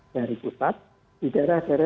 dari pusat di daerah daerah